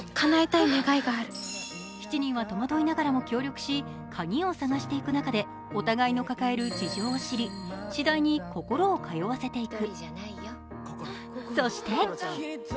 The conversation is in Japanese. ７人は戸惑いながらも協力し鍵を探していく中でお互いの抱える事情を知り、次第に心を通わせていく。